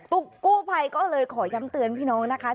กู้ภัยก็เลยขอย้ำเตือนพี่น้องนะคะ